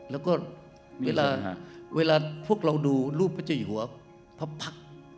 แล้วก็เวลาพวกเราดูรูปพระเจ้าอยู่หัวพระพักษ์